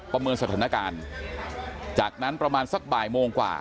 ประเมินสถานการณ์จากนั้นประมาณสักบ่ายโมงกว่า